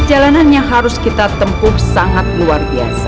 perjalanannya harus kita tempuh sangat luar biasa